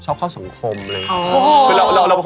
เห้ยเป็นมีสไตล์มากเลยอ่ะ